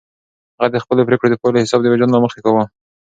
هغه د خپلو پرېکړو د پایلو حساب د وجدان له مخې کاوه.